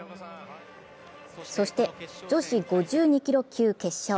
そして女子５２キロ級決勝。